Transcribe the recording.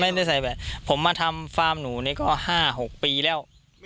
ใส่แบบผมมาทำฟาร์มหนูนี่ก็๕๖ปีแล้ว